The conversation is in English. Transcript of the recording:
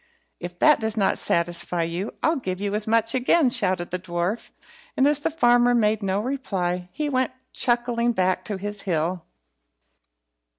"If that does not satisfy you, I'll give you as much again," shouted the dwarf; and as the farmer made no reply, he went chuckling back to his hill.